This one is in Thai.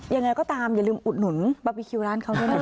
ยังไงก็ตามอย่าลืมอุดหนุนบาร์บีคิวร้านเขาด้วยนะคะ